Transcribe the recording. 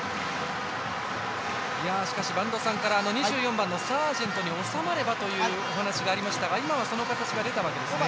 播戸さんから２４番のサージェントに収まればというお話がありましたが今は、その形が出たわけですね？